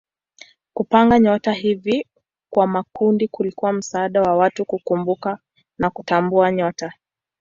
Kupanga nyota hivi kwa makundi kulikuwa msaada kwa watu kukumbuka na kutambua nyota.